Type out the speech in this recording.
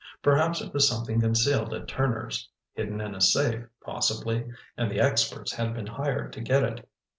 Perhaps it was something concealed at Turner's—hidden in a safe, possibly—and the "experts" had been hired to get it.